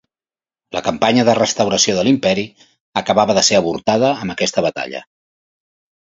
La campanya de restauració de l'Imperi acabava de ser avortada amb aquesta batalla.